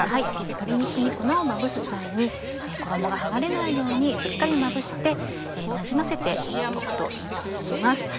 鶏肉に粉をまぶす際に衣がはがれないようにしっかりまぶしてなじませておくといいと思います。